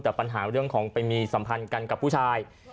แต่ปัญหาเรื่องของไปมีสัมพันธ์กันกับผู้ชาย